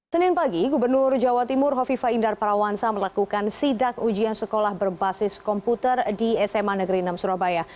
senin pagi gubernur jawa timur hovifa indar parawansa melakukan sidak ujian sekolah berbasis komputer di sma negeri enam surabaya